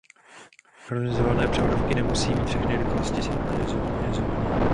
Synchronizované převodovky nemusí mít všechny rychlosti synchronizované.